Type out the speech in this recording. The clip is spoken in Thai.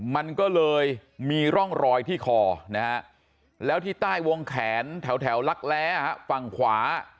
มันก็เลยมีร่องรอยที่คอนะฮะแล้วที่ใต้วงแขนแถวลักแล้ฝั่งขวา